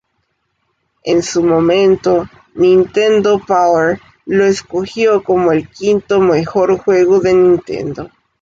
En su momento, "Nintendo Power" lo escogió como el quinto mejor juego de Nintendo.